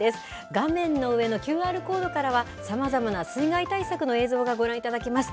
画面の上のＱＲコードからは、さまざまな水害対策の映像がご覧いただけます。